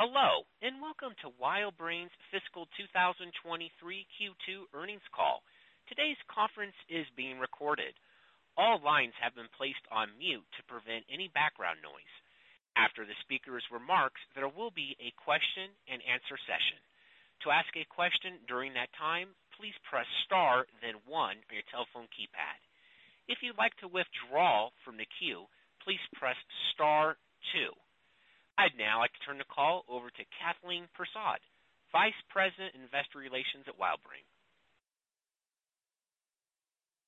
Hello, welcome to WildBrain's fiscal 2023 Q2 earnings call. Today's conference is being recorded. All lines have been placed on mute to prevent any background noise. After the speaker's remarks, there will be a question-and-answer session. To ask a question during that time, please press * then 1 on your telephone keypad. If you'd like to withdraw from the queue, please press * 2. I'd now like to turn the call over to Kathleen Persaud, Vice President, Investor Relations at WildBrain.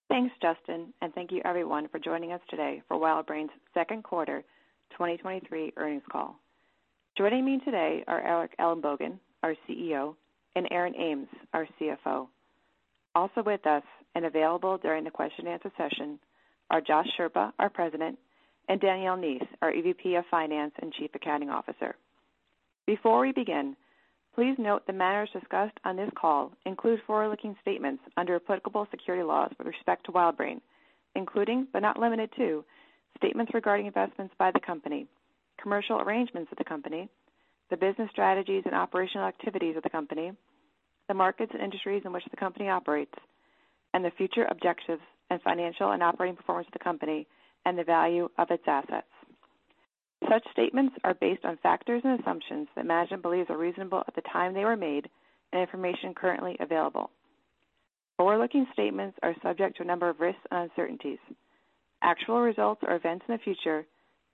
Thanks, Justin, and thank you everyone for joining us today for WildBrain's Q2 2023 earnings call. Joining me today are Eric Ellenbogen, our CEO, and Aaron Ames, our CFO. Also with us and available during the question-and-answer session are Josh Scherba, our president, and Danielle Neath, our EVP of Finance and Chief Accounting Officer. Before we begin, please note the matters discussed on this call include forward-looking statements under applicable security laws with respect to WildBrain, including but not limited to statements regarding investments by the company, commercial arrangements of the company, the business strategies and operational activities of the company, the markets and industries in which the company operates, and the future objectives and financial and operating performance of the company, and the value of its assets. Such statements are based on factors and assumptions that management believes are reasonable at the time they were made and information currently available. Forward-looking statements are subject to a number of risks and uncertainties. Actual results or events in the future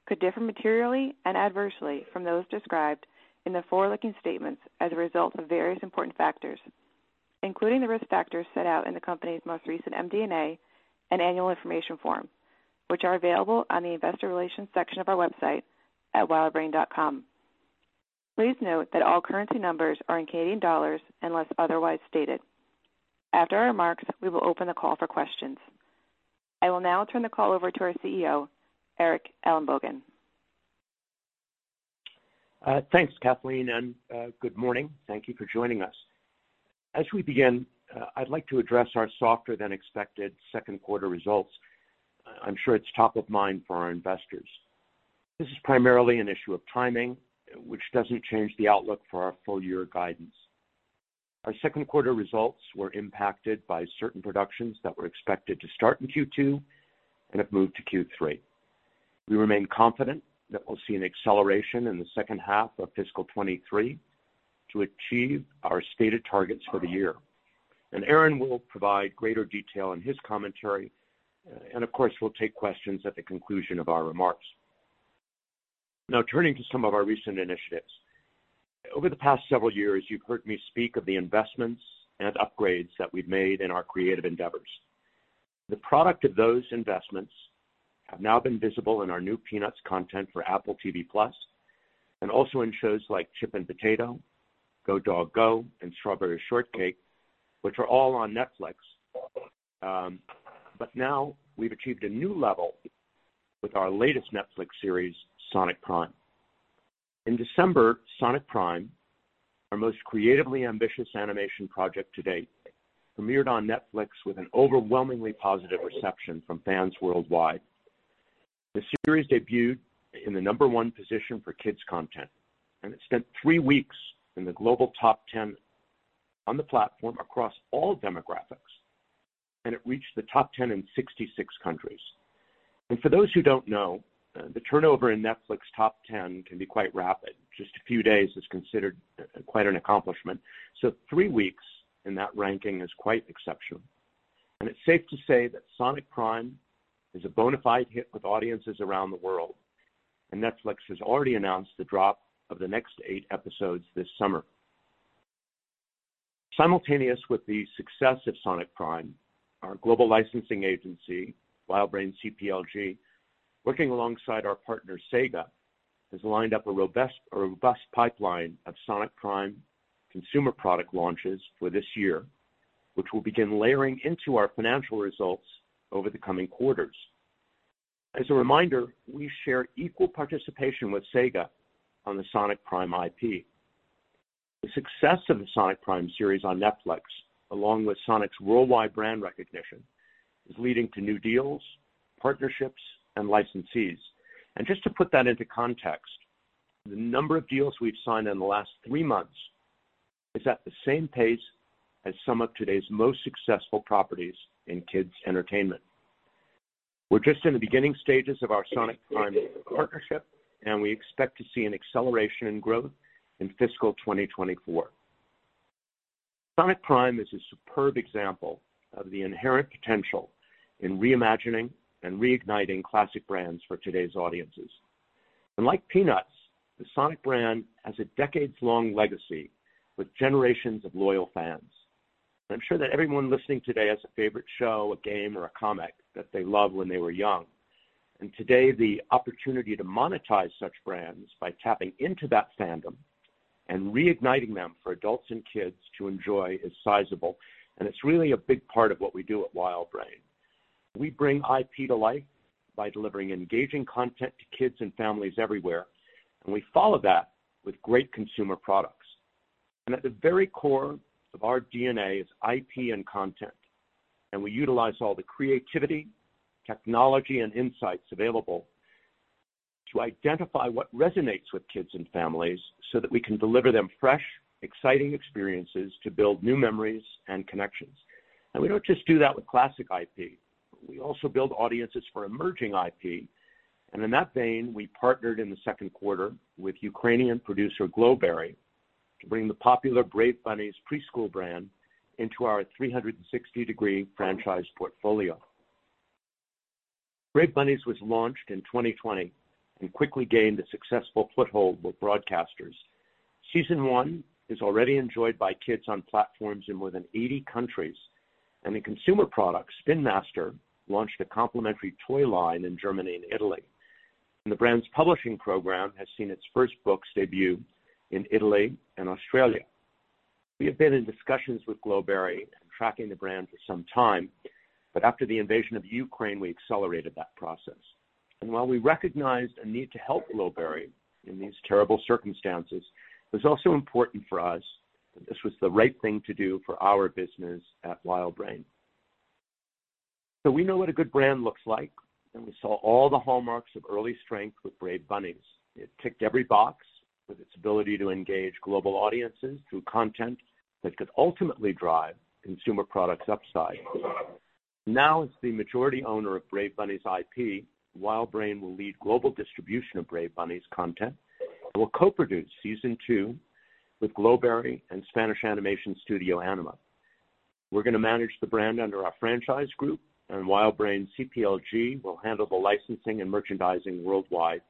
could differ materially and adversely from those described in the forward-looking statements as a result of various important factors, including the risk factors set out in the company's most recent MD&A and annual information form, which are available on the investor relations section of our website at wildbrain.com. Please note that all currency numbers are in Canadian dollars unless otherwise stated. After our remarks, we will open the call for questions. I will now turn the call over to our CEO, Eric Ellenbogen. Thanks, Kathleen, good morning. Thank you for joining us. As we begin, I'd like to address our softer than expected Q2 results. I'm sure it's top of mind for our investors. This is primarily an issue of timing, which doesn't change the outlook for our full year guidance. Our Q2 results were impacted by certain productions that were expected to start in Q2 and have moved to Q3. We remain confident that we'll see an acceleration in the H2 of fiscal 2023 to achieve our stated targets for the year. Aaron will provide greater detail in his commentary, and of course, we'll take questions at the conclusion of our remarks. Turning to some of our recent initiatives. Over the past several years, you've heard me speak of the investments and upgrades that we've made in our creative endeavors. The product of those investments have now been visible in our new Peanuts content for Apple TV+ and also in shows like Chip and Potato, Go, Dog. Go!, and Strawberry Shortcake, which are all on Netflix. Now we've achieved a new level with our latest Netflix series, Sonic Prime. In December, Sonic Prime, our most creatively ambitious animation project to date, premiered on Netflix with an overwhelmingly positive reception from fans worldwide. The series debuted in the number 1 position for kids' content, it spent 3 weeks in the global top 10 on the platform across all demographics, it reached the top 10 in 66 countries. For those who don't know, the turnover in Netflix top 10 can be quite rapid. Just a few days is considered quite an accomplishment. 3 weeks in that ranking is quite exceptional. It's safe to say that Sonic Prime is a bona fide hit with audiences around the world, Netflix has already announced the drop of the next 8 episodes this summer. Simultaneous with the success of Sonic Prime, our global licensing agency, WildBrain CPLG, working alongside our partner Sega, has lined up a robust pipeline of Sonic Prime consumer product launches for this year, which will begin layering into our financial results over the coming quarters. As a reminder, we share equal participation with Sega on the Sonic Prime IP. The success of the Sonic Prime series on Netflix, along with Sonic's worldwide brand recognition, is leading to new deals, partnerships, and licensees. Just to put that into context, the number of deals we've signed in the last 3 months is at the same pace as some of today's most successful properties in kids' entertainment. We're just in the beginning stages of our Sonic Prime partnership, and we expect to see an acceleration in growth in fiscal 2024. Sonic Prime is a superb example of the inherent potential in reimagining and reigniting classic brands for today's audiences. Like Peanuts, the Sonic brand has a decades-long legacy with generations of loyal fans. I'm sure that everyone listening today has a favorite show, a game, or a comic that they loved when they were young. Today, the opportunity to monetize such brands by tapping into that fandom and reigniting them for adults and kids to enjoy is sizable, and it's really a big part of what we do at WildBrain. We bring IP to life by delivering engaging content to kids and families everywhere, and we follow that with great consumer products. At the very core of our DNA is IP and content. We utilize all the creativity, technology, and insights available to identify what resonates with kids and families so that we can deliver them fresh, exciting experiences to build new memories and connections. We don't just do that with classic IP, we also build audiences for emerging IP. In that vein, we partnered in the Q2 with Ukrainian producer Glowberry to bring the popular Brave Bunnies preschool brand into our 360-degree franchise portfolio. Brave Bunnies was launched in 2020 and quickly gained a successful foothold with broadcasters. Season 1 is already enjoyed by kids on platforms in more than 80 countries, and in consumer products, Spin Master launched a complimentary toy line in Germany and Italy. The brand's publishing program has seen its 1st book debut in Italy and Australia. We have been in discussions with Glowberry and tracking the brand for some time. After the invasion of Ukraine, we accelerated that process. While we recognized a need to help Glowberry in these terrible circumstances, it was also important for us that this was the right thing to do for our business at WildBrain. We know what a good brand looks like, and we saw all the hallmarks of early strength with Brave Bunnies. It ticked every box with its ability to engage global audiences through content that could ultimately drive consumer products upside. As the majority owner of Brave Bunnies IP, WildBrain will lead global distribution of Brave Bunnies content and will co-produce season 2 with Glowberry and Spanish animation studio Ánima. We're gonna manage the brand under our franchise group, and WildBrain CPLG will handle the licensing and merchandising worldwide,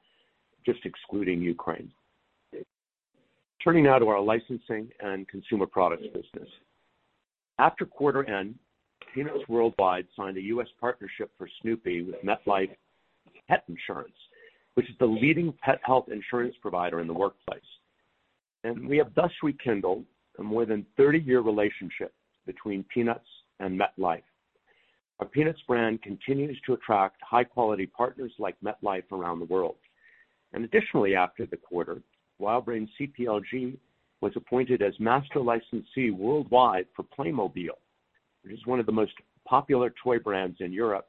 just excluding Ukraine. Turning now to our licensing and consumer products business. After quarter end, Peanuts Worldwide signed a US partnership for Snoopy with MetLife Pet Insurance, which is the leading pet health insurance provider in the workplace. We have thus rekindled a more than 30-year relationship between Peanuts and MetLife. Our Peanuts brand continues to attract high-quality partners like MetLife around the world. Additionally, after the quarter, WildBrain CPLG was appointed as master licensee worldwide for Playmobil, which is 1 of the most popular toy brands in Europe,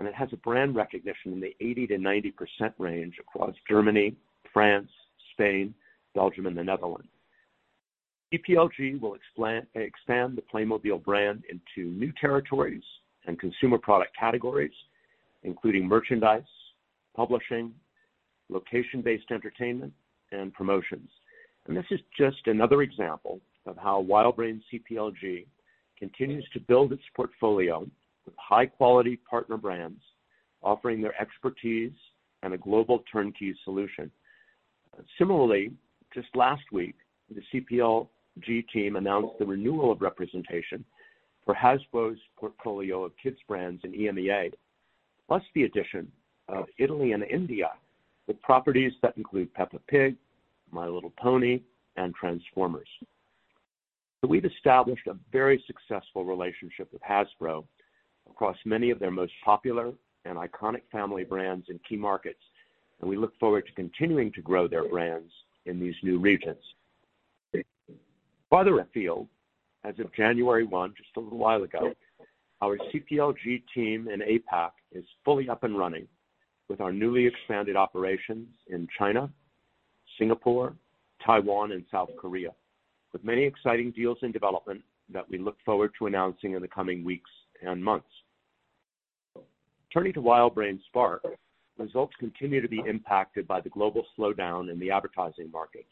and it has a brand recognition in the 80%-90% range across Germany, France, Spain, Belgium, and the Netherlands. CPLG will expand the Playmobil brand into new territories and consumer product categories, including merchandise, publishing, location-based entertainment, and promotions. This is just another example of how WildBrain CPLG continues to build its portfolio with high-quality partner brands offering their expertise and a global turnkey solution. Similarly, just last week, the CPLG team announced the renewal of representation for Hasbro's portfolio of kids brands in EMEA, plus the addition of Italy and India, with properties that include Peppa Pig, My Little Pony, and Transformers. We've established a very successful relationship with Hasbro across many of their most popular and iconic family brands in key markets, and we look forward to continuing to grow their brands in these new regions. Further afield, as of January 1, just a little while ago, our CPLG team in APAC is fully up and running with our newly expanded operations in China, Singapore, Taiwan, and South Korea, with many exciting deals in development that we look forward to announcing in the coming weeks and months. Turning to WildBrain Spark, results continue to be impacted by the global slowdown in the advertising market.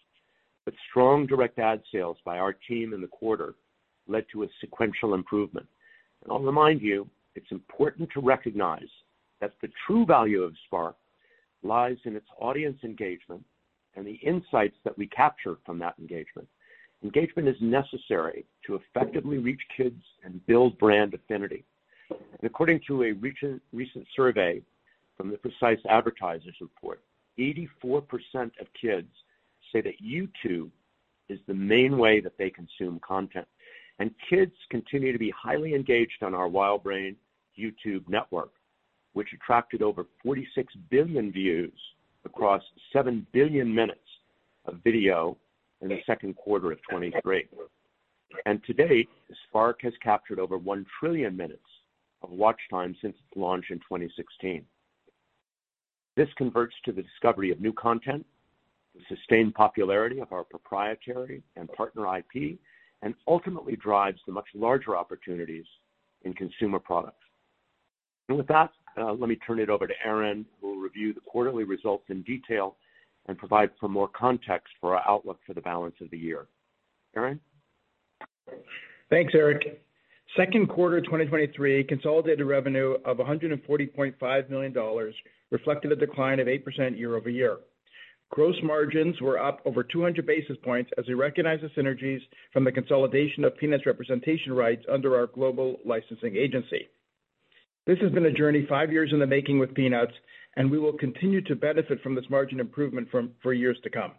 Strong direct ad sales by our team in the quarter led to a sequential improvement. I'll remind you, it's important to recognize that the true value of Spark lies in its audience engagement and the insights that we capture from that engagement. Engagement is necessary to effectively reach kids and build brand affinity. According to a recent survey from the Precise Advertisers Report, 84% of kids say that YouTube is the main way that they consume content. Kids continue to be highly engaged on our WildBrain Spark, which attracted over 46 billion views across 7 billion minutes of video in the Q2 of 2023. To date, Spark has captured over 1 trillion minutes of watch time since its launch in 2016. This converts to the discovery of new content, the sustained popularity of our proprietary and partner IP, and ultimately drives the much larger opportunities in consumer products. With that, let me turn it over to Aaron, who will review the quarterly results in detail and provide some more context for our outlook for the balance of the year. Aaron? Thanks, Eric. Q2 2023 consolidated revenue of $140.5 million CAD reflected a decline of 8% year-over-year. Gross margins were up over 200 basis points as we recognized the synergies from the consolidation of Peanuts representation rights under our global licensing agency. This has been a journey 5 years in the making with Peanuts, we will continue to benefit from this margin improvement for years to come.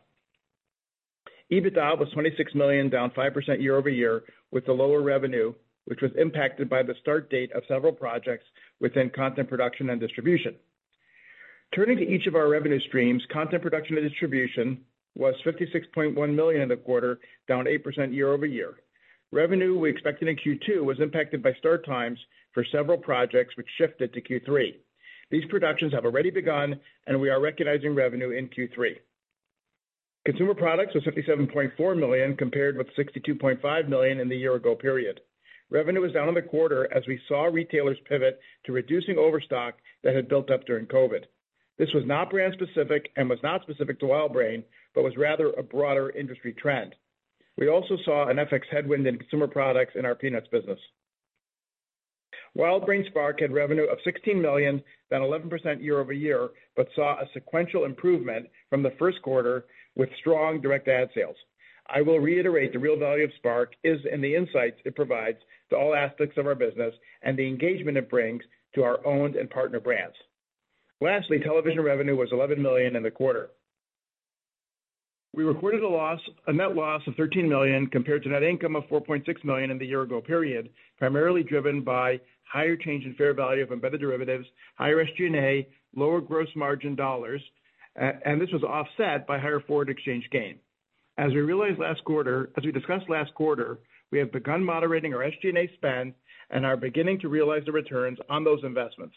EBITDA was $26 million CAD, down 5% year-over-year, with the lower revenue, which was impacted by the start date of several projects within content production and distribution. Turning to each of our revenue streams, content production and distribution was $56.1 million CAD in the quarter, down 8% year-over-year. Revenue we expected in Q2 was impacted by start times for several projects which shifted to Q3. These productions have already begun. We are recognizing revenue in Q3. Consumer products was $57.4 million, compared with $62.5 million in the year-ago period. Revenue was down in the quarter as we saw retailers pivot to reducing overstock that had built up during COVID. This was not brand specific and was not specific to WildBrain, but was rather a broader industry trend. We also saw an FX headwind in consumer products in our Peanuts business. WildBrain Spark had revenue of $16 million, down 11% year-over-year, but saw a sequential improvement from the Q1 with strong direct ad sales. I will reiterate the real value of Spark is in the insights it provides to all aspects of our business and the engagement it brings to our owned and partner brands. Lastly, television revenue was $11 million in the quarter. We recorded a net loss of 13 million compared to net income of 4.6 million in the year-ago period, primarily driven by higher change in fair value of embedded derivatives, higher SG&A, lower gross margin dollars. This was offset by higher forward exchange gain. As we discussed last quarter, we have begun moderating our SG&A spend and are beginning to realize the returns on those investments.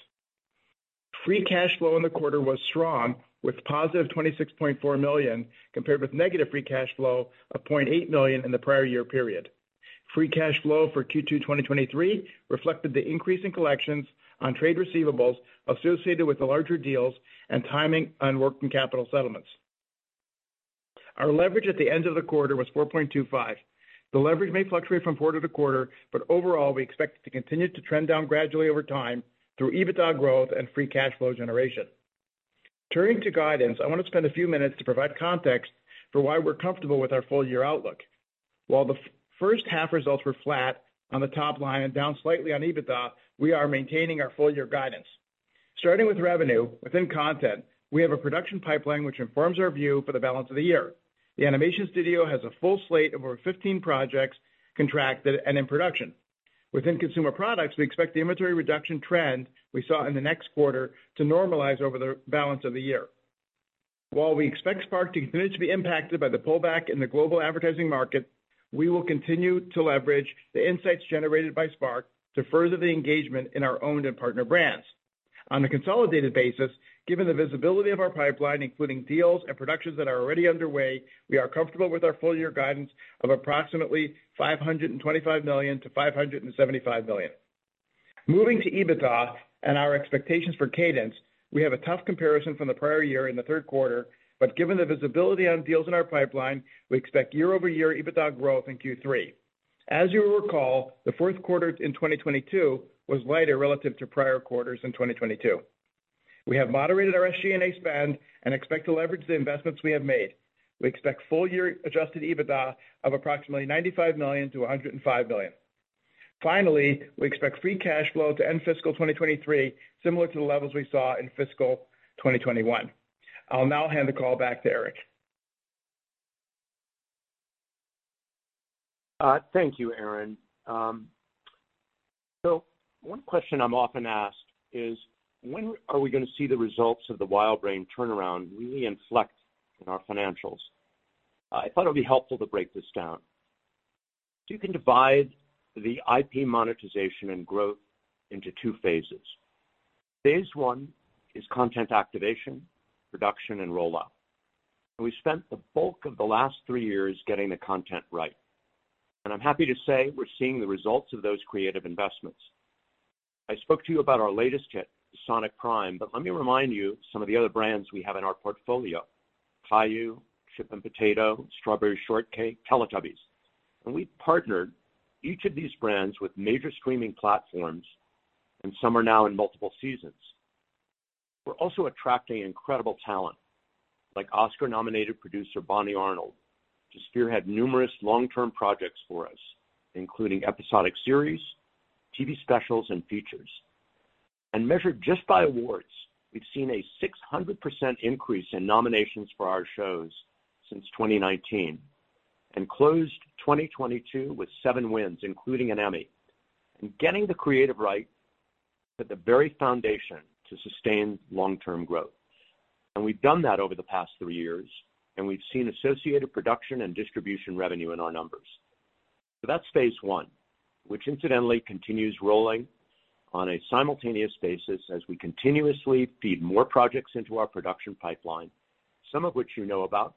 Free cash flow in the quarter was strong, with positive 26.4 million, compared with negative free cash flow of 0.8 million in the prior year period. Free cash flow for Q2 2023 reflected the increase in collections on trade receivables associated with the larger deals and timing on working capital settlements. Our leverage at the end of the quarter was 4.25. Overall, we expect it to continue to trend down gradually over time through EBITDA growth and free cash flow generation. Turning to guidance, I want to spend a few minutes to provide context for why we're comfortable with our full year outlook. The H1 results were flat on the top line and down slightly on EBITDA, we are maintaining our full year guidance. Starting with revenue, within content, we have a production pipeline which informs our view for the balance of the year. The animation studio has a full slate of over 15 projects contracted and in production. Within consumer products, we expect the inventory reduction trend we saw in the next quarter to normalize over the balance of the year. While we expect Spark to continue to be impacted by the pullback in the global advertising market, we will continue to leverage the insights generated by Spark to further the engagement in our owned and partner brands. On a consolidated basis, given the visibility of our pipeline, including deals and productions that are already underway, we are comfortable with our full year guidance of approximately 525 million to 575 million. Moving to EBITDA and our expectations for cadence, we have a tough comparison from the prior year in the Q3, but given the visibility on deals in our pipeline, we expect year-over-year EBITDA growth in Q3. As you will recall, the Q4 in 2022 was lighter relative to prior quarters in 2022. We have moderated our SG&A spend and expect to leverage the investments we have made. We expect full year adjusted EBITDA of approximately 95 million to 105 million. We expect free cash flow to end fiscal 2023 similar to the levels we saw in fiscal 2021. I'll now hand the call back to Eric. Thank you, Aaron. 1 question I'm often asked is, "When are we gonna see the results of the WildBrain turnaround really inflect in our financials?" I thought it would be helpful to break this down. You can divide the IP monetization and growth into 2 phases. phase I is content activation, production and rollout. We spent the bulk of the last 3 years getting the content right. I'm happy to say we're seeing the results of those creative investments. I spoke to you about our latest hit, Sonic Prime, but let me remind you some of the other brands we have in our portfolio. Caillou, Chip and Potato, Strawberry Shortcake, Teletubbies. We partnered each of these brands with major streaming platforms, and some are now in multiple seasons. We're also attracting incredible talent, like Oscar-nominated producer Bonnie Arnold, to spearhead numerous long-term projects for us, including episodic series, TV specials, and features. Measured just by awards, we've seen a 600% increase in nominations for our shows since 2019 and closed 2022 with 7 wins, including an Emmy. Getting the creative right is at the very foundation to sustain long-term growth. We've done that over the past 3 years, and we've seen associated production and distribution revenue in our numbers. That's phase I, which incidentally continues rolling on a simultaneous basis as we continuously feed more projects into our production pipeline, some of which you know about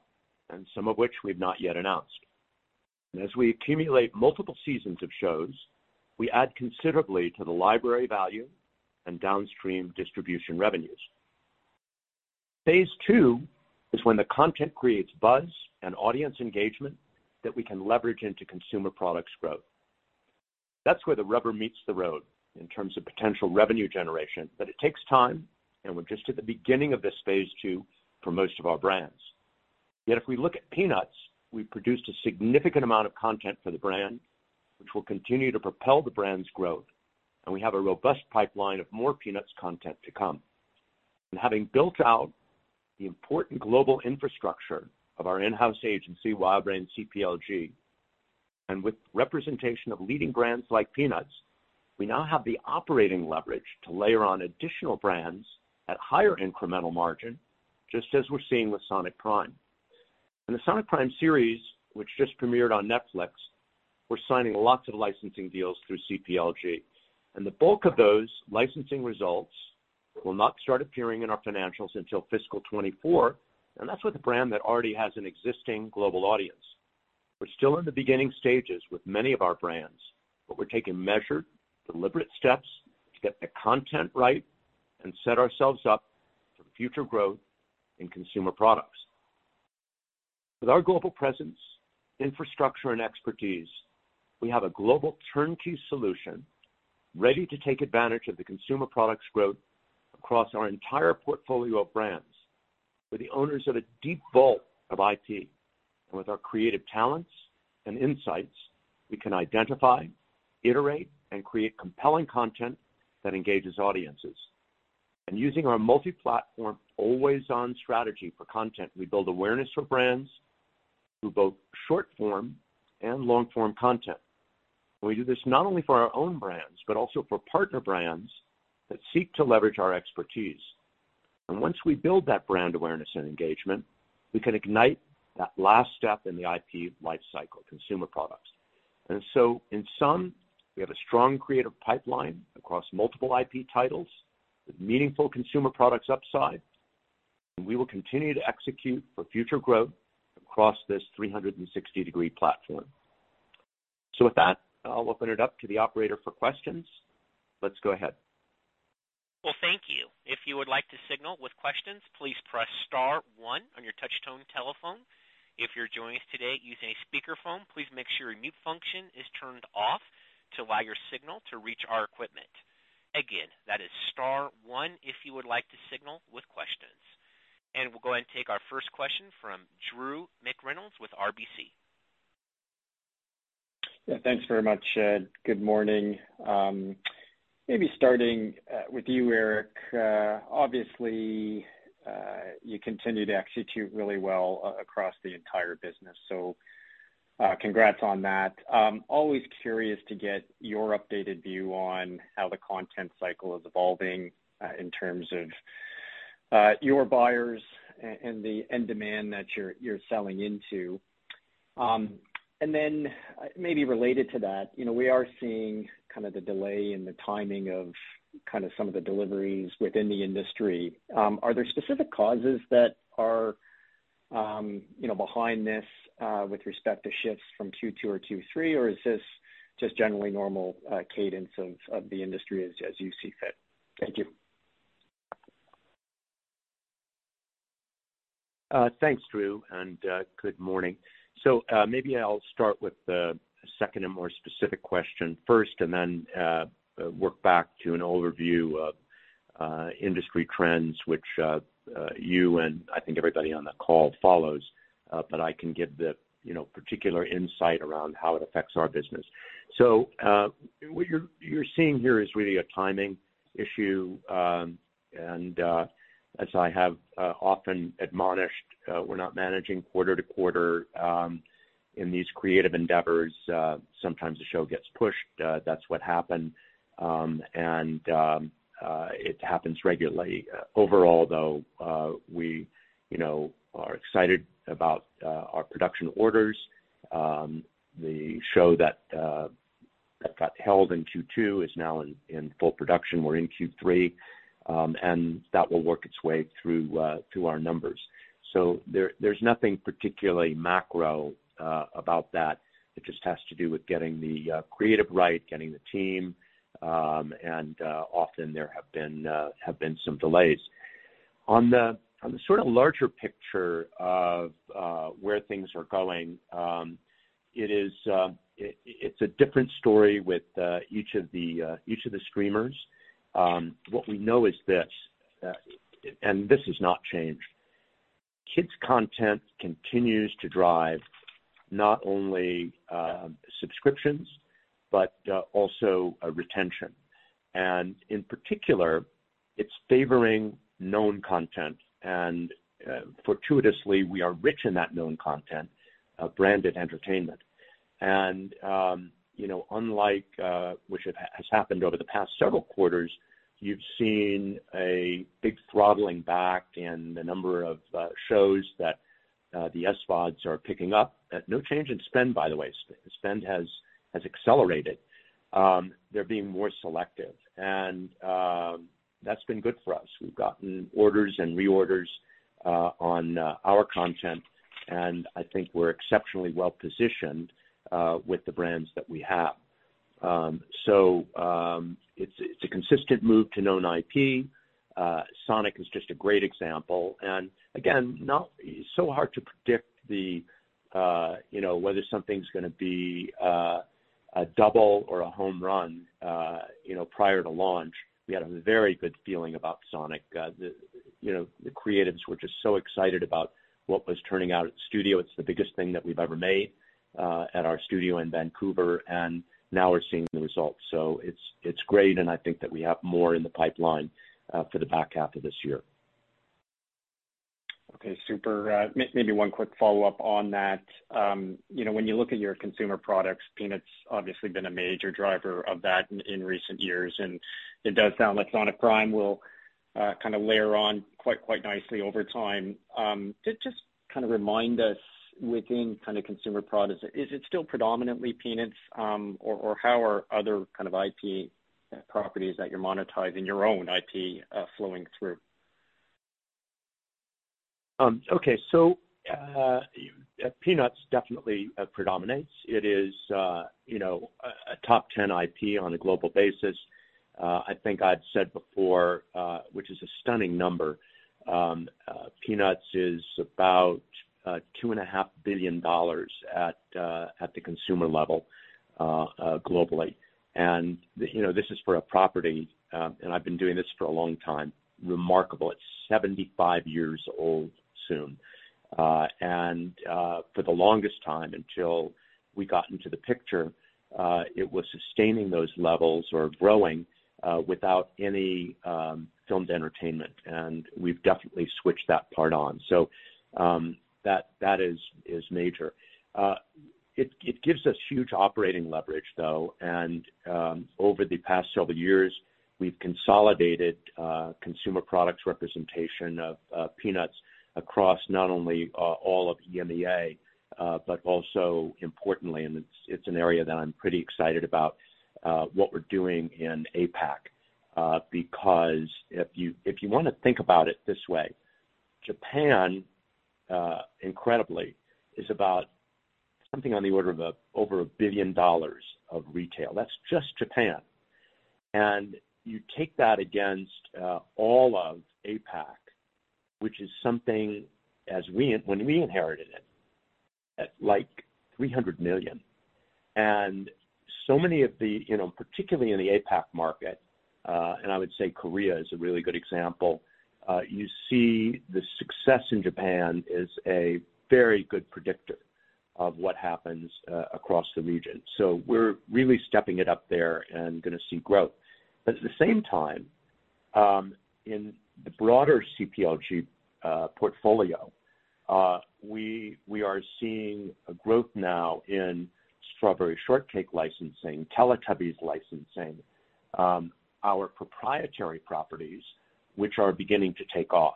and some of which we've not yet announced. As we accumulate multiple seasons of shows, we add considerably to the library value and downstream distribution revenues. phase II is when the content creates buzz and audience engagement that we can leverage into consumer products growth. That's where the rubber meets the road in terms of potential revenue generation, but it takes time, and we're just at the beginning of this phase II for most of our brands. Yet if we look at Peanuts, we produced a significant amount of content for the brand, which will continue to propel the brand's growth, and we have a robust pipeline of more Peanuts content to come. Having built out the important global infrastructure of our in-house agency, WildBrain CPLG. With representation of leading brands like Peanuts, we now have the operating leverage to layer on additional brands at higher incremental margin, just as we're seeing with Sonic Prime. In the Sonic Prime series, which just premiered on Netflix, we're signing lots of licensing deals through CPLG. The bulk of those licensing results will not start appearing in our financials until fiscal 2024. That's with a brand that already has an existing global audience. We're still in the beginning stages with many of our brands, we're taking measured, deliberate steps to get the content right and set ourselves up for future growth in consumer products. With our global presence, infrastructure, and expertise, we have a global turnkey solution ready to take advantage of the consumer products growth across our entire portfolio of brands. We're the owners of a deep vault of IP, with our creative talents and insights, we can identify, iterate, and create compelling content that engages audiences. Using our multi-platform, always-on strategy for content, we build awareness for brands through both short form and long form content. We do this not only for our own brands, but also for partner brands that seek to leverage our expertise. Once we build that brand awareness and engagement, we can ignite that last step in the IP life cycle, consumer products. In sum, we have a strong creative pipeline across multiple IP titles with meaningful consumer products upside, and we will continue to execute for future growth across this 360-degree platform. With that, I'll open it up to the operator for questions. Let's go ahead. Well, thank you. If you would like to signal with questions, please press * 1 on your touch tone telephone. If you're joining us today using a speakerphone, please make sure your mute function is turned off to allow your signal to reach our equipment. Again, that is * 1 if you would like to signal with questions. We'll go ahead and take our 1st question from Drew McReynolds with RBC. Thanks very much. Good morning. Maybe starting with you, Eric. Obviously, you continue to execute really well across the entire business. Congrats on that. Always curious to get your updated view on how the content cycle is evolving in terms of your buyers and the end demand that you're selling into. Maybe related to that, you know, we are seeing kind of the delay in the timing of kind of some of the deliveries within the industry. Are there specific causes that are, you know, behind this with respect to shifts from Q2 or Q3, or is this just generally normal cadence of the industry as you see fit? Thank you. Thanks, Drew, and good morning. Maybe I'll start with the 2nd and more specific question first, and then work back to an overview of industry trends, which you and I think everybody on the call follows, but I can give the, you know, particular insight around how it affects our business. What you're seeing here is really a timing issue. And, as I have often admonished, we're not managing quarter-to-quarter, in these creative endeavors. Sometimes the show gets pushed. That's what happened, and it happens regularly. Overall, though, we, you know, are excited about our production orders. The show that got held in Q2 is now in full production. We're in Q3, that will work its way through through our numbers. There, there's nothing particularly macro about that. It just has to do with getting the creative right, getting the team, and often there have been some delays. On the, on the sort of larger picture of where things are going, it is it's a different story with each of the streamers. What we know is this has not changed. kids content continues to drive not only subscriptions, but also retention. In particular, it's favoring known content. Fortuitously, we are rich in that known content, branded entertainment. You know, unlike, which it has happened over the past several quarters, you've seen a big throttling back in the number of shows that the SVODs are picking up. No change in spend, by the way. Spend has accelerated. They're being more selective, that's been good for us. We've gotten orders and reorders on our content, I think we're exceptionally well-positioned with the brands that we have. It's a consistent move to known IP. Sonic is just a great example. It's so hard to predict the, you know, whether something's gonna be a double or a home run, you know, prior to launch. We had a very good feeling about Sonic. The, you know, the creatives were just so excited about what was turning out at the studio. It's the biggest thing that we've ever made at our studio in Vancouver. Now we're seeing the results. It's great. I think that we have more in the pipeline for the back half of this year. Okay, super. Maybe 1 quick follow-up on that. You know, when you look at your consumer products, Peanuts obviously been a major driver of that in recent years, and it does sound like Sonic Prime will kind of layer on quite nicely over time. Just kind of remind us within kind of consumer products, is it still predominantly Peanuts, or how are other kind of IP properties that you're monetizing your own IP, flowing through? Okay. Peanuts definitely predominates. It is, you know, a top 10 IP on a global basis. I think I'd said before, which is a stunning number, Peanuts is about $2.5 billion at the consumer level globally. You know, this is for a property, and I've been doing this for a long time. Remarkable. It's 75 years old soon. For the longest time until we got into the picture, it was sustaining those levels or growing without any filmed entertainment. We've definitely switched that part on. That is major. It gives us huge operating leverage, though. Over the past several years, we've consolidated consumer products representation of Peanuts across not only all of EMEA, but also importantly, it's an area that I'm pretty excited about what we're doing in APAC. Because if you wanna think about it this way, Japan incredibly is about something on the order of over $1 billion of retail. That's just Japan. You take that against all of APAC, which is something as we when we inherited it, at like $300 million. Many of the, you know, particularly in the APAC market, and I would say Korea is a really good example, you see the success in Japan is a very good predictor of what happens across the region. We're really stepping it up there and gonna see growth. At the same time, in the broader CPLG portfolio, we are seeing a growth now in Strawberry Shortcake licensing, Teletubbies licensing, our proprietary properties which are beginning to take off.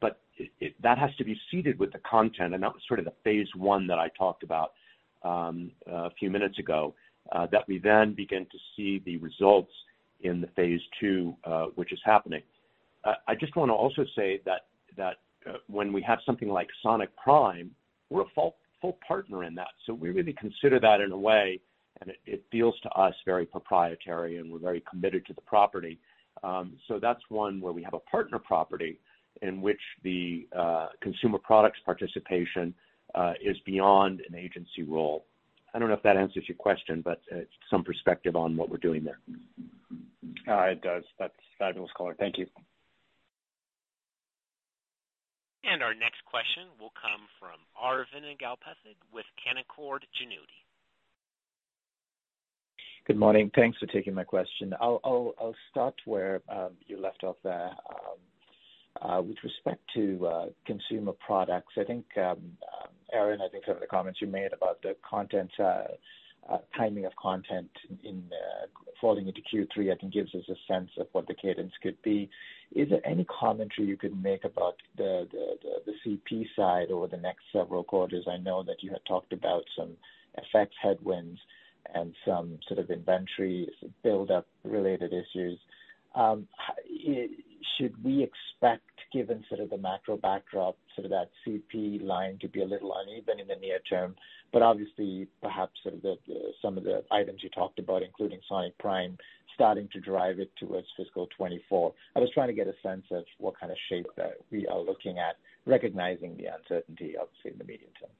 But that has to be seeded with the content, and that was sort of the phase I that I talked about a few minutes ago, that we then begin to see the results in the phase II, which is happening. I just wanna also say that, when we have something like Sonic Prime, we're a full partner in that. We really consider that in a way, and it feels to us very proprietary, and we're very committed to the property. That's 1 where we have a partner property in which the consumer products participation is beyond an agency role. I don't know if that answers your question, but some perspective on what we're doing there. It does. That's fabulous color. Thank you. Our next question will come from Aravinda Galappatthige with Canaccord Genuity. Good morning. Thanks for taking my question. I'll start where you left off there. With respect to consumer products, I think Aaron, I think some of the comments you made about the content timing of content falling into Q3, I think gives us a sense of what the cadence could be. Is there any commentary you could make about the CP side over the next several quarters? I know that you had talked about some effect headwinds and some sort of inventory buildup related issues. Should we expect, given sort of the macro backdrop, sort of that CP line to be a little uneven in the near term, but obviously perhaps sort of the some of the items you talked about, including Sonic Prime, starting to drive it towards fiscal 2024? I was trying to get a sense of what kind of shape, we are looking at, recognizing the uncertainty, obviously in the medium term.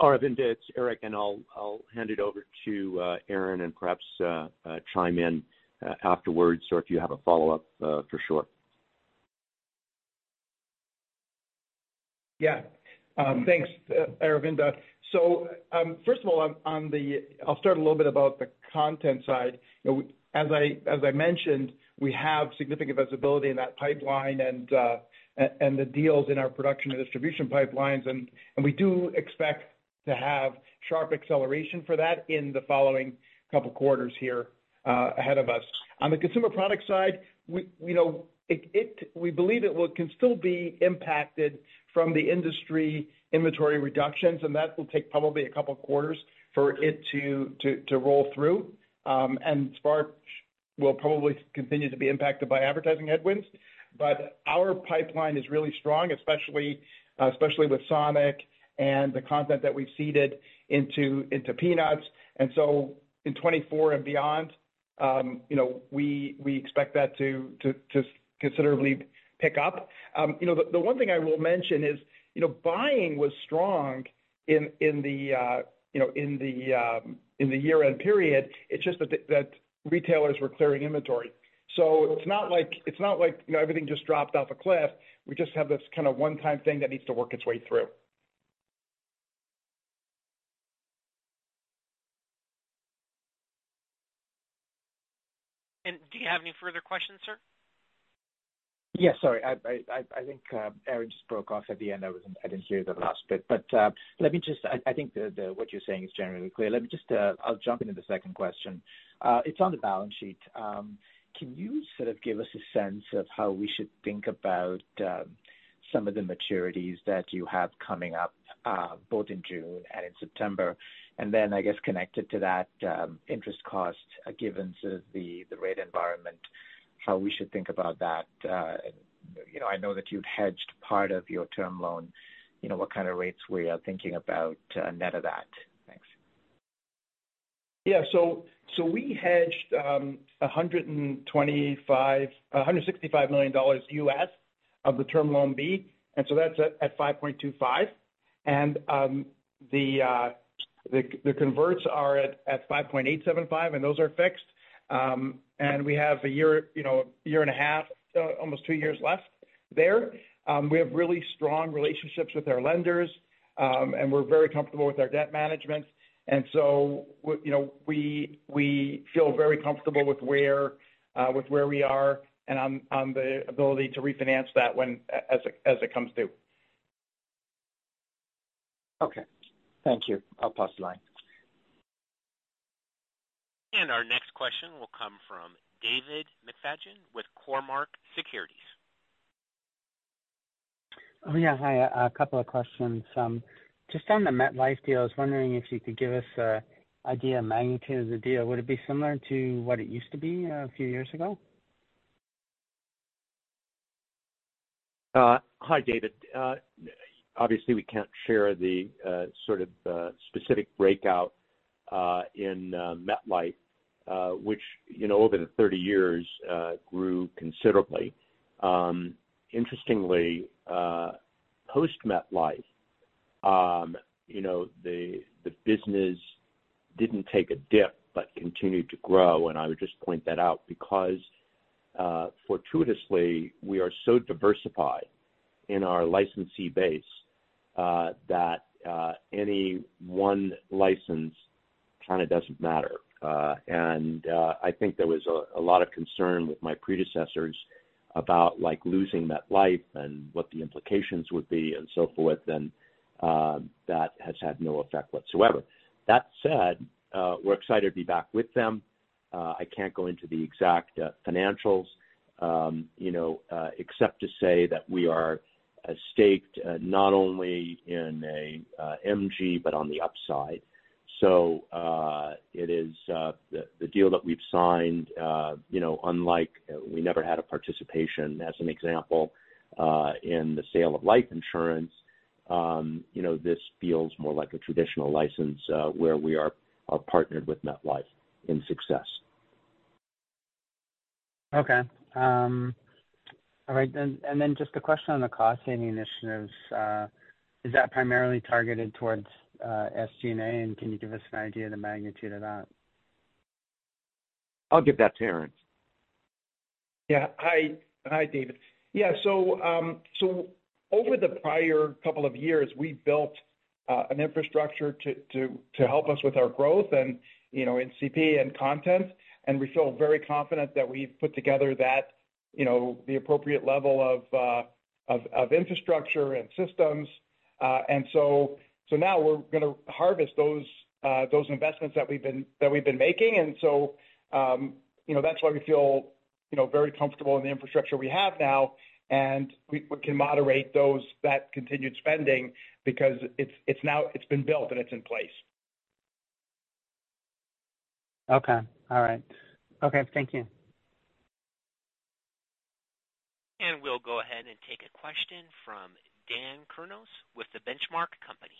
Aravinda, it's Eric. I'll hand it over to Aaron and perhaps chime in afterwards, or if you have a follow-up, for sure. Thanks, Aravind. First of all, on the content side. You know, as I mentioned, we have significant visibility in that pipeline and the deals in our production and distribution pipelines. We do expect to have sharp acceleration for that in the following couple quarters here ahead of us. On the consumer product side, we, you know, we believe it can still be impacted from the industry inventory reductions, and that will take probably a couple quarters for it to roll through. Spark will probably continue to be impacted by advertising headwinds. Our pipeline is really strong, especially with Sonic and the content that we've seeded into Peanuts. In 2024 and beyond, you know, we expect that to considerably pick up. You know, the 1 thing I will mention is, you know, buying was strong in the, you know, in the year-end period. It's just that retailers were clearing inventory. It's not like, you know, everything just dropped off a cliff. We just have this kinda one-time thing that needs to work its way through. Do you have any further questions, sir? Yes, sorry. I think Aaron just broke off at the end. I didn't hear the last bit. I think what you're saying is generally clear. Let me just, I'll jump into the 2nd question. It's on the balance sheet. Can you sort of give us a sense of how we should think about some of the maturities that you have coming up, both in June and in September? I guess, connected to that, interest cost given sort of the rate environment, how we should think about that. You know, I know that you've hedged part of your term loan, you know, what kind of rates we are thinking about, net of that. Thanks. We hedged, $165 million US of the Term Loan B. That's at 5.25%. The converts are at 5.875%, and those are fixed. We have a year, you know, a year and a half, almost 2 years left there. We have really strong relationships with our lenders, and we're very comfortable with our debt management. We, you know, we feel very comfortable with where we are and on the ability to refinance that as it comes due. Okay. Thank you. I'll pass the line. Our next question will come from David McFadgen with Cormark Securities. Hi. A couple of questions. Just on the MetLife deal, I was wondering if you could give us a idea of magnitude of the deal. Would it be similar to what it used to be a few years ago? Hi, David. Obviously, we can't share the sort of specific breakout in MetLife, which, you know, over the 30 years grew considerably. Interestingly, post MetLife, you know, the business didn't take a dip, but continued to grow. I would just point that out because fortuitously, we are so diversified in our licensee base that any 1 license kind of doesn't matter. I think there was a lot of concern with my predecessors about, like, losing MetLife and what the implications would be and so forth, and that has had no effect whatsoever. That said, we're excited to be back with them. I can't go into the exact financials, you know, except to say that we are staked not only in a MG, but on the upside. It is the deal that we've signed, you know, unlike we never had a participation, as an example, in the sale of life insurance, you know, this feels more like a traditional license, where we are partnered with MetLife in success. Okay. all right. Just a question on the cost-saving initiatives. Is that primarily targeted towards SG&A? Can you give us an idea of the magnitude of that? I'll give that to Aaron. Hi, David. Over the prior couple of years, we built an infrastructure to help us with our growth and, you know, in CP and content, and we feel very confident that we've put together, you know, the appropriate level of infrastructure and systems. Now we're gonna harvest those investments that we've been making. That's why we feel, you know, very comfortable in the infrastructure we have now, and we can moderate that continued spending because it's now been built and it's in place. Okay. All right. Okay. Thank you. We'll go ahead and take a question from Dan Kurnos with The Benchmark Company.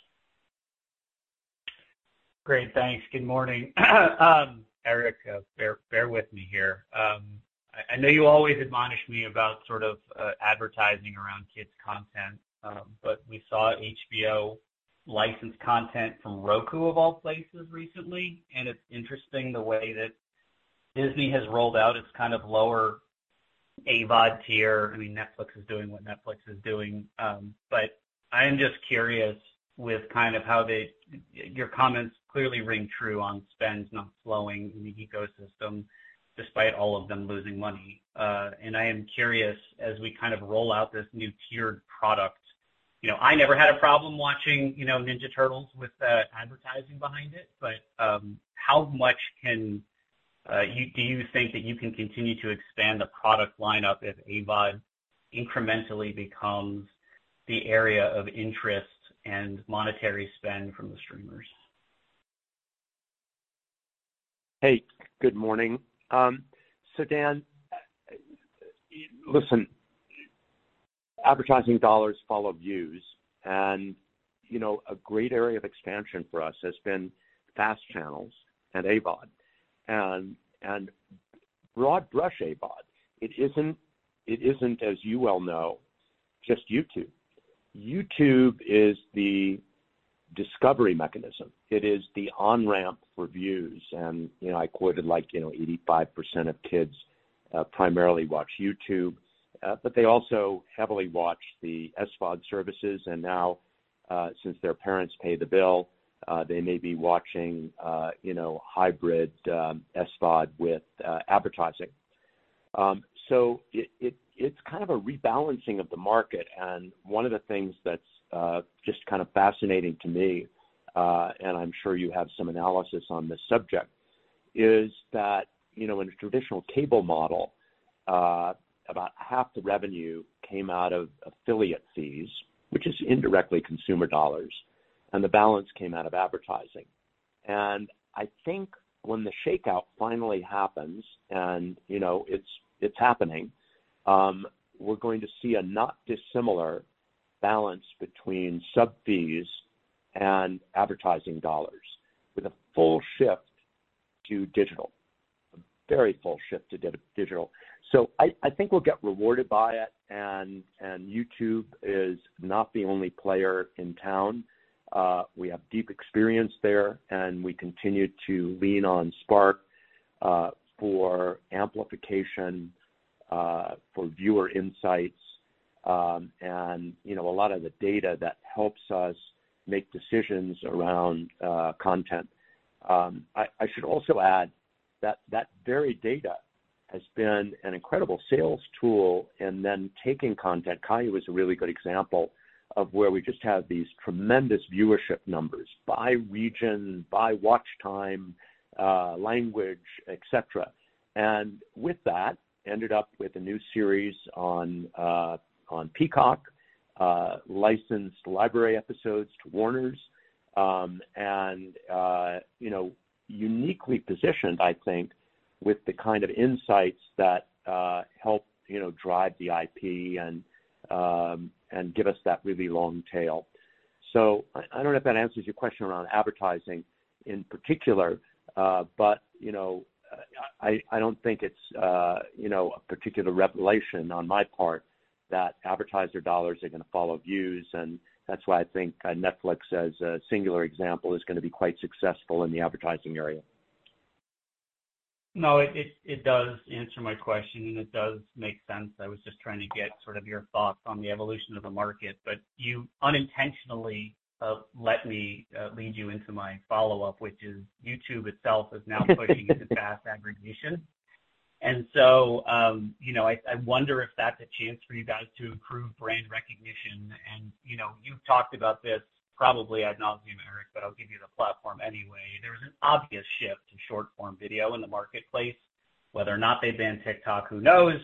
Great. Thanks. Good morning. Eric, bear with me here. I know you always admonish me about sort of advertising around kids content, but we saw HBO license content from Roku, of all places, recently. It's interesting the way that Disney has rolled out its kind of lower AVOD tier. I mean, Netflix is doing what Netflix is doing. I am just curious with kind of Your comments clearly ring true on spends not flowing in the ecosystem despite all of them losing money. I am curious, as we kind of roll out this new tiered product, you know, I never had a problem watching, you know, Ninja Turtles with advertising behind it. How much do you think that you can continue to expand the product lineup if AVOD incrementally becomes the area of interest and monetary spend from the streamers? Hey, good morning. Dan, listen, advertising dollars follow views, you know, a great area of expansion for us has been FAST channels and AVOD. Broad brush AVOD, it isn't, as you well know, just YouTube. YouTube is the discovery mechanism. It is the on-ramp for views. You know, I quoted like, you know, 85% of kids primarily watch YouTube, but they also heavily watch the SVOD services. Now, since their parents pay the bill, they may be watching, you know, hybrid SVOD with advertising. It's kind of a rebalancing of the market. 1 of the things that's just kind of fascinating to me, and I'm sure you have some analysis on this subject, is that, you know, in a traditional cable model, about half the revenue came out of affiliate fees, which is indirectly consumer dollars, and the balance came out of advertising. I think when the shakeout finally happens, and, you know, it's happening, we're going to see a not dissimilar balance between sub fees and advertising dollars with a full shift to digital. A very full shift to digital. I think we'll get rewarded by it. YouTube is not the only player in town. We have deep experience there, we continue to lean on Spark for amplification, for viewer insights, and, you know, a lot of the data that helps us make decisions around content. I should also add that that very data has been an incredible sales tool, taking content. Caillou was a really good example of where we just had these tremendous viewership numbers by region, by watch time, language, et cetera. With that, ended up with a new series on Peacock, licensed library episodes to Warners, and, you know, uniquely positioned, I think, with the kind of insights that help, you know, drive the IP and give us that really long tail. I don't know if that answers your question around advertising in particular, but, you know, I don't think it's, you know, a particular revelation on my part that advertiser dollars are gonna follow views. That's why I think, Netflix as a singular example is gonna be quite successful in the advertising area. No, it does answer my question, and it does make sense. I was just trying to get sort of your thoughts on the evolution of the market. You unintentionally let me lead you into my follow-up, which is YouTube itself is now pushing into FAST aggregation. So, you know, I wonder if that's a chance for you guys to improve brand recognition. You know, you've talked about this probably ad nauseam, Eric, but I'll give you the platform anyway. There's an obvious shift to short-form video in the marketplace. Whether or not they ban TikTok, who knows?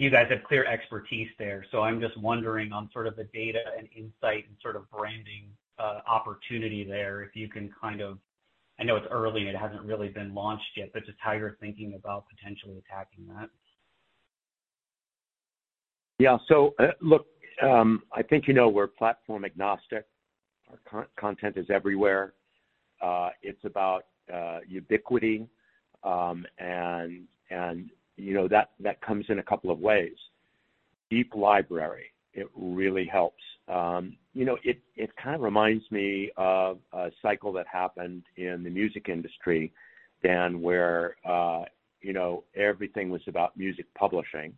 You guys have clear expertise there, so I'm just wondering on sort of the data and insight and sort of branding opportunity there, if you can kind of. I know it's early and it hasn't really been launched yet, but just how you're thinking about potentially attacking that. Look, I think you know we're platform agnostic. Our content is everywhere. It's about ubiquity, and, you know, that comes in a couple of ways. Deep library, it really helps. You know, it kind of reminds me of a cycle that happened in the music industry, Dan, where, you know, everything was about music publishing.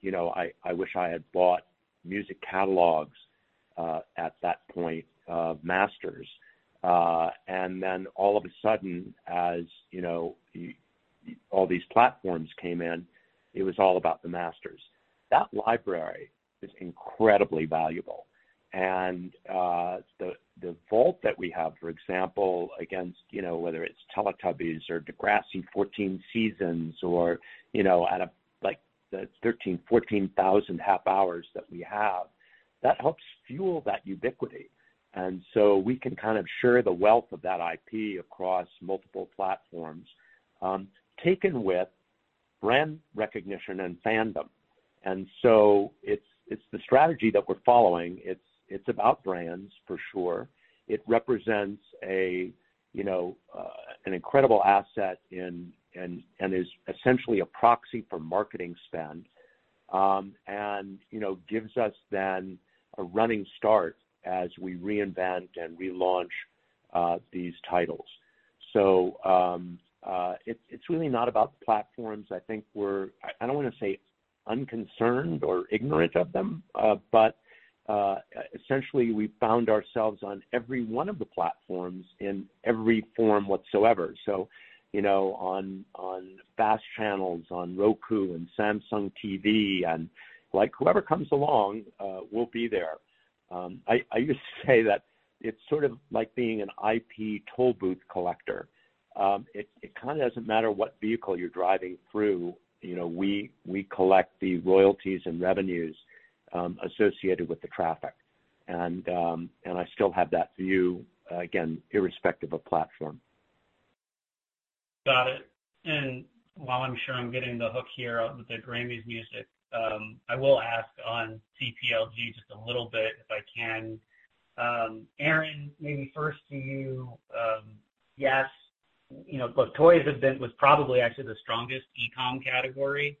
You know, I wish I had bought music catalogs at that point of masters. All of a sudden, as, you know, all these platforms came in, it was all about the masters. That library is incredibly valuable. The, the vault that we have, for example, against, you know, whether it's Teletubbies or Degrassi 14 seasons or, you know, at a, like, the 13,000-14,000 half hours that we have, that helps fuel that ubiquity. We can kind of share the wealth of that IP across multiple platforms, taken with brand recognition and fandom. It's, it's the strategy that we're following. It's, it's about brands for sure. It represents a, you know, an incredible asset and, and is essentially a proxy for marketing spend, and, you know, gives us then a running start as we reinvent and relaunch, these titles. It's, it's really not about the platforms. I don't wanna say unconcerned or ignorant of them, but essentially, we found ourselves on every 1 of the platforms in every form whatsoever. you know, on FAST channels, on Roku and Samsung TV and like whoever comes along, we'll be there. I used to say that it's sort of like being an IP toll booth collector. it kinda doesn't matter what vehicle you're driving through, you know, we collect the royalties and revenues associated with the traffic. And I still have that view, again, irrespective of platform. Got it. While I'm sure I'm getting the hook here with the Grammys music, I will ask on CPLG just a little bit, if I can. Aaron, maybe first to you. Yes, you know, look, toys was probably actually the strongest e-com category,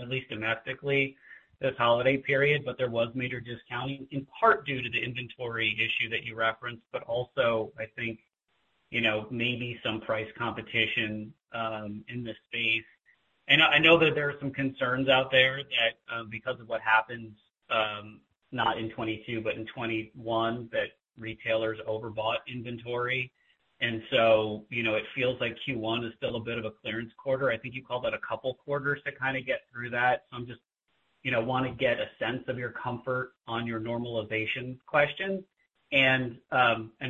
at least domestically this holiday period, but there was major discounting in part due to the inventory issue that you referenced, but also I think. You know, maybe some price competition in this space. I know that there are some concerns out there that because of what happened, not in 2022, but in 2021, that retailers overbought inventory. You know, it feels like Q1 is still a bit of a clearance quarter. I think you called that a couple quarters to kinda get through that. I'm just, you know, wanna get a sense of your comfort on your normalization question.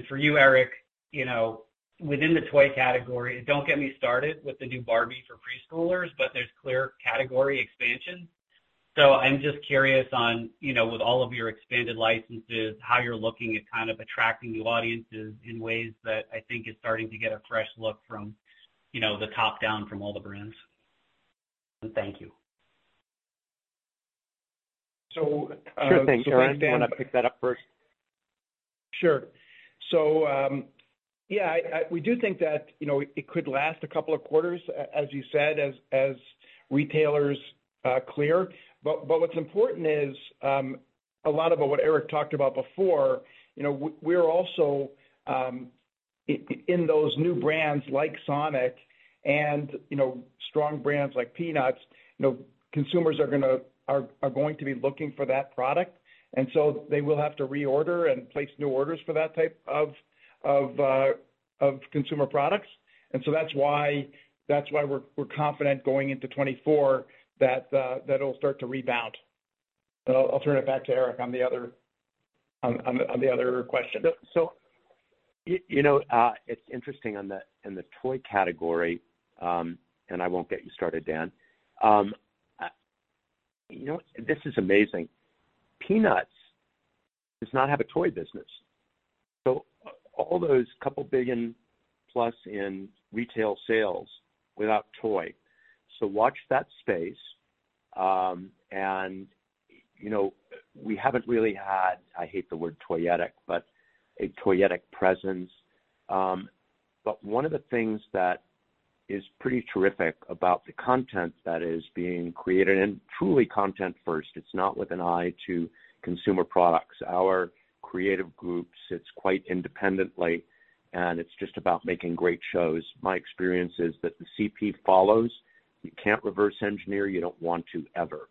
For you, Eric, you know, within the toy category, don't get me started with the new Barbie for preschoolers. There's clear category expansion. I'm just curious on, you know, with all of your expanded licenses, how you're looking at kind of attracting new audiences in ways that I think is starting to get a fresh look from, you know, the top-down from all the brands. Thank you. Sure thing, Dan. You wanna pick that up first? Sure. We do think that, you know, it could last a couple of quarters, as you said, as retailers clear. But what's important is a lot about what Eric talked about before, you know, we're also in those new brands like Sonic and, you know, strong brands like Peanuts, you know, consumers are going to be looking for that product. They will have to reorder and place new orders for that type of consumer products. That's why we're confident going into 2024 that it'll start to rebound. I'll turn it back to Eric on the other question. You know, it's interesting in the toy category, and I won't get you started, Dan. You know, this is amazing. Peanuts does not have a toy business. All those couple billion+ in retail sales without toy. Watch that space. You know, we haven't really had, I hate the word toyetic, but a toyetic presence. 1 of the things that is pretty terrific about the content that is being created, and truly content first, it's not with an eye to consumer products. Our creative group sits quite independently, and it's just about making great shows. My experience is that the CP follows. You can't reverse engineer, you don't want to ever.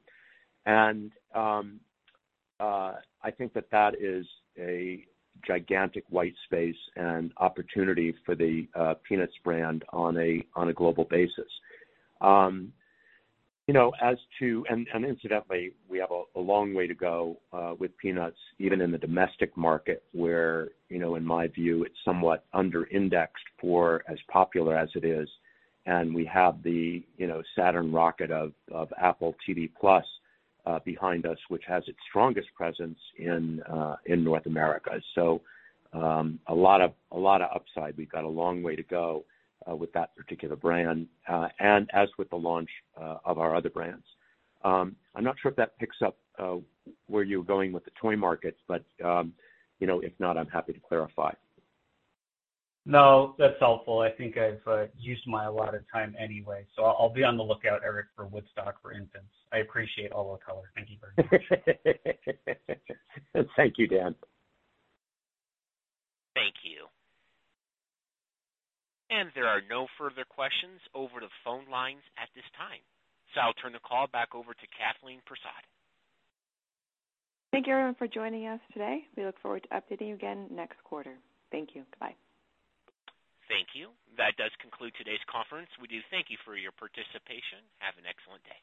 I think that that is a gigantic white space and opportunity for the Peanuts brand on a global basis. You know, as to, incidentally, we have a long way to go with Peanuts, even in the domestic market where, you know, in my view, it's somewhat under indexed for as popular as it is. We have the, you know, Saturn rocket of Apple TV+, behind us, which has its strongest presence in North America. A lot of upside. We've got a long way to go with that particular brand and as with the launch of our other brands. I'm not sure if that picks up where you're going with the toy markets, you know, if not, I'm happy to clarify. No, that's helpful. I think I've used my allotted time anyway, so I'll be on the lookout, Eric, for Woodstock, for instance. I appreciate all the color. Thank you very much. Thank you, Dan. Thank you. There are no further questions over the phone lines at this time, so I'll turn the call back over to Kathleen Persaud. Thank you everyone for joining us today. We look forward to updating you again next quarter. Thank you. Bye. Thank you. That does conclude today's conference. We do thank you for your participation. Have an excellent day.